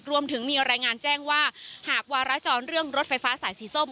รวมถึงมีรายงานแจ้งว่าหากวารจรเรื่องรถไฟฟ้าสายสีส้ม